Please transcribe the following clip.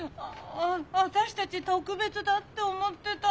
私たち特別だって思ってたのにもう。